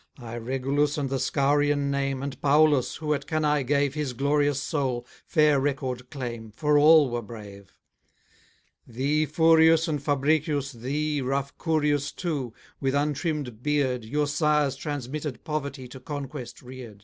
Ay, Regulus and the Scaurian name, And Paullus, who at Cannae gave His glorious soul, fair record claim, For all were brave. Thee, Furius, and Fabricius, thee, Rough Curius too, with untrimm'd beard, Your sires' transmitted poverty To conquest rear'd.